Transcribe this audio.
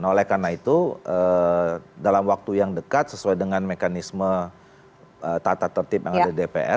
nah oleh karena itu dalam waktu yang dekat sesuai dengan mekanisme tata tertib yang ada di dpr